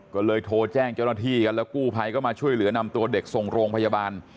ก็เลยโทรแจ้งเจ้าหน้าที่กันแล้วกู้ภัยก็มาช่วยเหลือนำตัวเด็กส่งโรงพยาบาล